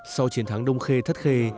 sau chiến thắng đông khê thất khê